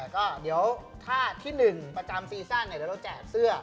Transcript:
ก็เดี๋ยวถ้าที่๑ประจำซีซั่นเดี๋ยวเราแจกเสื้อ